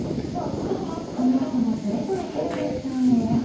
［この後もそれぞれヘルメットを選び］